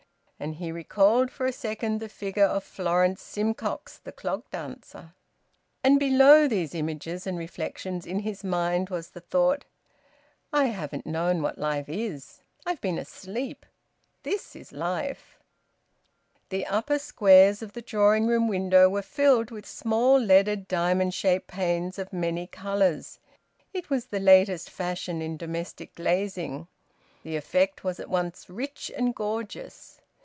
And he recalled for a second the figure of Florence Simcox, the clog dancer. And below these images and reflections in his mind was the thought: "I haven't known what life is! I've been asleep. This is life!" The upper squares of the drawing room window were filled with small leaded diamond shaped panes of many colours. It was the latest fashion in domestic glazing. The effect was at once rich and gorgeous.